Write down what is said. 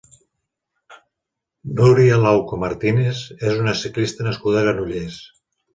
Núria Lauco Martínez és una ciclista nascuda a Granollers.